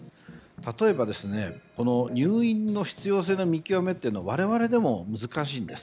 例えば、入院の必要性の見極めというのは我々でも難しいんです。